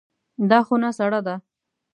دا خونه سړه ده.